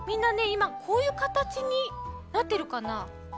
いまこういうかたちになってるかな？